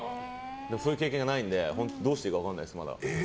そういう経験がないのでどうしていいか分からないです。